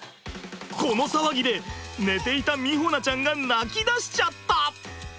この騒ぎで寝ていた美穂菜ちゃんが泣きだしちゃった！